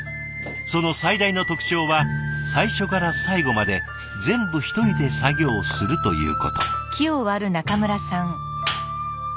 その最大の特徴は最初から最後まで全部一人で作業するということ。